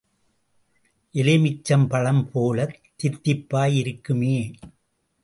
எலும்மிச்சம் பழம் போலத் தித்திப்பாய் இருக்குமே!